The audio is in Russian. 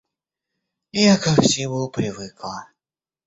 Я ко всему привыкла.